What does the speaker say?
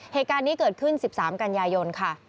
เหตุการณ์นี้เกิดขึ้น๑๓กันยายนค่ะ